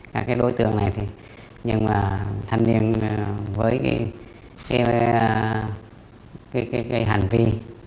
các đối tượng này thì nhưng mà thân niên với cái hành vi